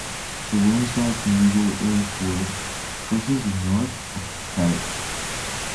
The Wansdyke medieval earthwork crosses the north of parish.